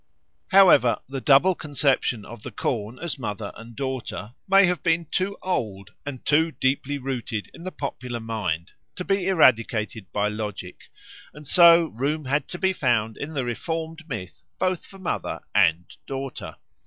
However, the double conception of the corn as mother and daughter may have been too old and too deeply rooted in the popular mind to be eradicated by logic, and so room had to be found in the reformed myth both for mother and daughter.